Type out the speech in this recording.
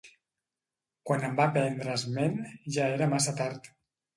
Quan en va prendre esment ja era massa tard.